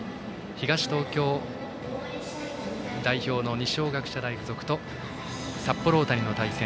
東東京代表の二松学舎大付属と札幌大谷の対戦。